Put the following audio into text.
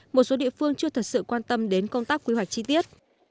một số địa phương chưa thật sự quan tâm đến công tác quy hoạch chi tiết